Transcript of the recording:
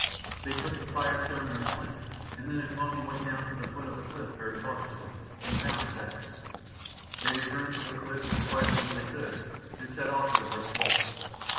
They took the firestone and a flint, and then Ugh lomi went down to the foot of the cliff very cautiously, and found his axe. They returned to the cliff as quietly as they could, and set off at a brisk walk.